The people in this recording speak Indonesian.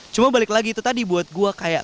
cuma balik lagi itu tadi buat gue kayak